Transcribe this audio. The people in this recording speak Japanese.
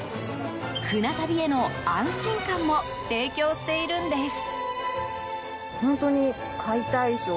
船旅への安心感も提供しているんです。